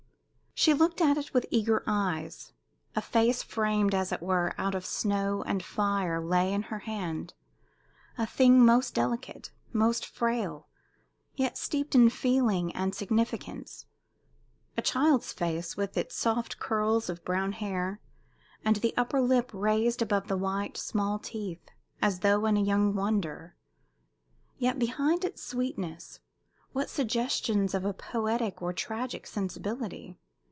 She looked at it with eager eyes. A face framed, as it were, out of snow and fire lay in her hand, a thing most delicate, most frail, yet steeped in feeling and significance a child's face with its soft curls of brown hair, and the upper lip raised above the white, small teeth, as though in a young wonder; yet behind its sweetness, what suggestions of a poetic or tragic sensibility!